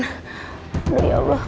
aduh ya allah